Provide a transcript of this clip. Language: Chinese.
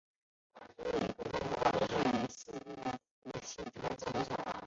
满足这个判据的数列称为柯西序列。